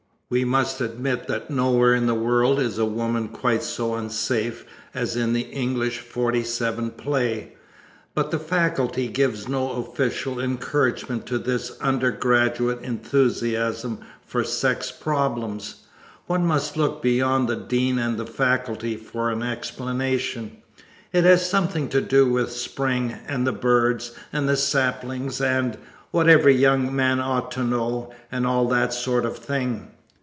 We must admit that nowhere in the world is a woman quite so unsafe as in an English 47 play, but the faculty gives no official encouragement to this undergraduate enthusiasm for sex problems. One must look beyond the Dean and the faculty for an explanation. It has something to do with Spring, and the birds, and the saplings and "What Every Young Man Ought to Know" and all that sort of thing.